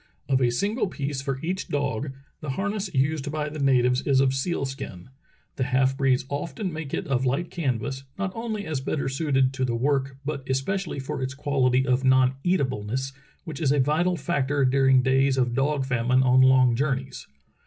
Of a single piece for each dog, the harness used by the natives is of seal skin; the half breeds often make it of light canvas, not only as better suited to the work but especially for its quality of non eatableness which is a vital factor during days of dog famine on long jour neys.